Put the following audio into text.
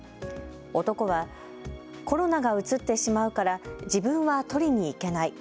男はコロナがうつってしまうから自分は取りに行けない。